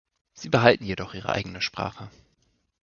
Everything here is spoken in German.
Sie behalten jedoch ihre eigene Sprache.